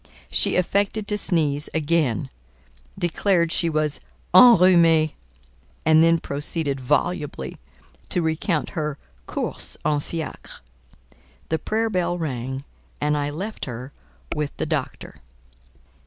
She affected to sneeze again, declared she was "enrhumée," and then proceeded volubly to recount her "courses en fiacre." The prayer bell rang, and I left her with the doctor.